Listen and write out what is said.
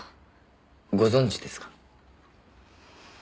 ご存じですか？